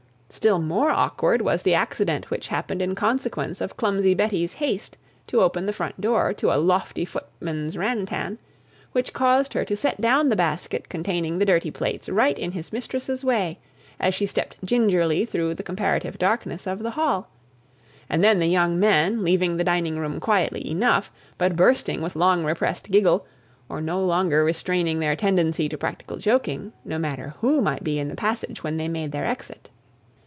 Still more awkward was the accident which happened in consequence of clumsy Betty's haste to open the front door to a lofty footman's ran tan, which caused her to set down the basket containing the dirty plates right in his mistress's way, as she stepped gingerly through the comparative darkness of the hall; and then the young men, leaving the dining room quietly enough, but bursting with long repressed giggle, or no longer restraining their tendency to practical joking, no matter who might be in the passage when they made their exit.